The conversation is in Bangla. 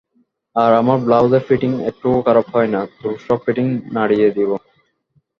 আর আমার ব্লাউজের ফিটিং একটুকুও খারাপ হয় না, তোর সব ফিটিং নাড়িয়ে দিবো।